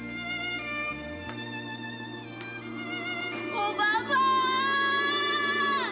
おばば！